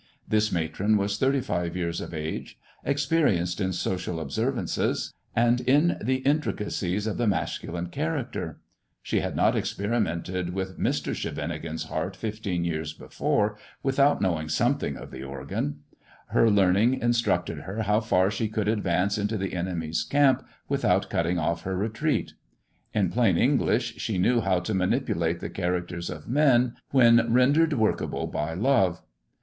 This matron was thirty five years of age, experienced in social observances, and in the intri ca, cies of the masculine character. She had not experimented with Mr. Scheveningen's heart fifteen years before without knowing something of the organ. Her learning instructed her how far she could advance into the enemy's camp with out cutting off her retreat. In plain English, she knew how to manipulate the characters of men when rendered workable by love.